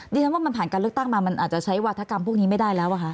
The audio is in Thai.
ดิฉันว่ามันผ่านการเลือกตั้งมามันอาจจะใช้วาธกรรมพวกนี้ไม่ได้แล้วป่ะคะ